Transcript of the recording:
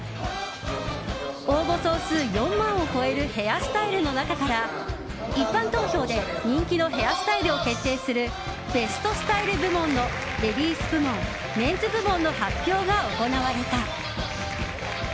応募総数４万を超えるヘアスタイルの中から一般投票で人気のヘアスタイルを決定するＢＥＳＴＳＴＹＬＥ部門のレディース部門、メンズ部門の発表が行われた。